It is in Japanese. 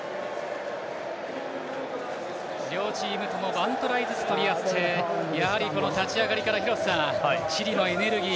両チームとも１トライずつ取り合ってやはり立ち上がりから廣瀬さん、チリのエネルギー。